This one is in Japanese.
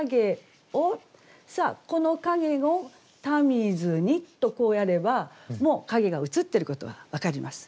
この「影を田水に」とこうやればもう影が映っていることは分かります。